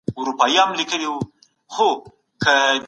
دا تأیید سوې ده، چي سیمي لکه یغني، کامبجان، بگ، شکي، گتارو، خوغمار،